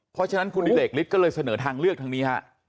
เพราะฉะนั้นคุณดิเรกฤทธิก็เลยเสนอทางเลือกทางนี้ฮะ